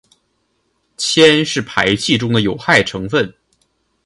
铅是排气中的有害成分。